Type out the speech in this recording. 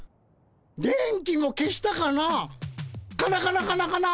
「電気も消したかなカナカナカナカナ」。